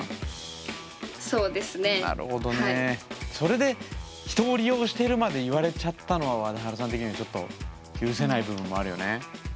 それで人を利用しているまで言われちゃったのはわだはるさん的にはちょっと許せない部分もあるよね。